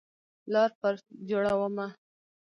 لار پر جوړومه